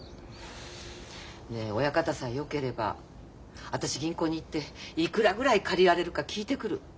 ねえ親方さえよければ私銀行に行っていくらぐらい借りられるか聞いてくる。